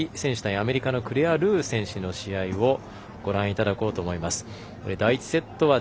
アメリカのクレア・ルー選手の試合をご覧いただこうと思います。